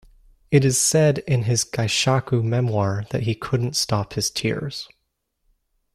It is said in his kaishaku memoir that he couldn't stop his tears.